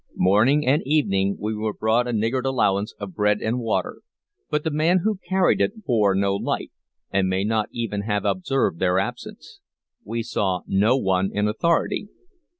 Morning and evening we were brought a niggard allowance of bread and water; but the man who carried it bore no light, and may not even have observed their absence. We saw no one in authority.